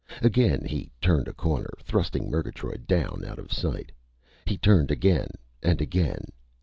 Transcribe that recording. Again he turned a corner, thrusting Murgatroyd down out of sight. He turned again, and again....